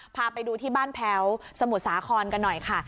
พาไปดูที่บ้านแพ้วสมุทรสาครกันหน่อยค่ะ